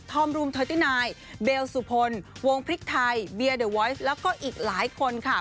ธอมรูม๓๙เบลสุพลวงพริกไทยเบียดเวอร์แล้วก็อีกหลายคนค่ะ